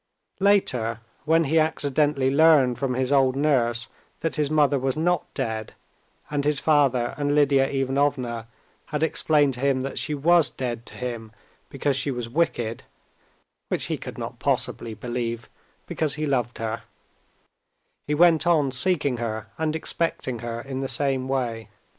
Later, when he accidentally learned from his old nurse that his mother was not dead, and his father and Lidia Ivanovna had explained to him that she was dead to him because she was wicked (which he could not possibly believe, because he loved her), he went on seeking her and expecting her in the same way.